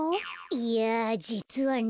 いやじつはね。